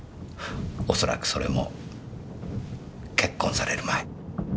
おそらくそれも結婚される前。